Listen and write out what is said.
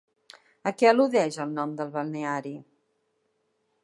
A què al·ludeix el nom del balneari?